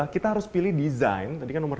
kita harus pilih desain